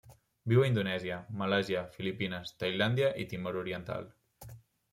Viu a Indonèsia, Malàisia, Filipines, Tailàndia i Timor Oriental.